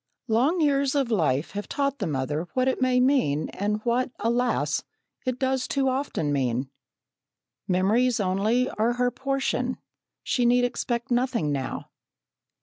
Long years of life have taught the mother what it may mean and what, alas, it does too often mean. Memories only are her portion; she need expect nothing now.